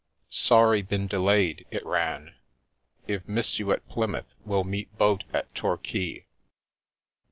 " Sorry been delayed," it ran. " If miss you at Plymouth will meet boat at Torquay."